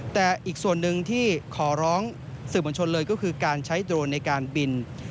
แต่อีกส่วนหนึ่งที่ขอร้องสื่อมวลชนเลยก็คือการใช้โดรนในการบิน